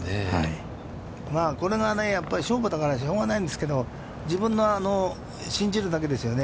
まあ、これがね、勝負だからしょうがないんですけど、自分の、信じるだけですよね。